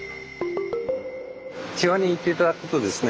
キワに行って頂くとですね